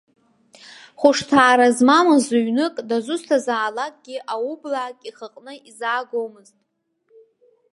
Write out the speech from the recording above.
Хәышҭаара змамыз ҩнык, дызусҭазаалакгьы аублаак ихаҟны изаагомызт.